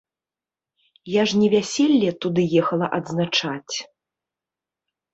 Я ж не вяселле туды ехала адзначаць.